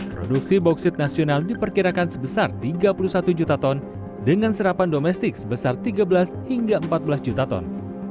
produksi bauksit nasional diperkirakan sebesar tiga puluh satu juta ton dengan serapan domestik sebesar tiga belas hingga empat belas juta ton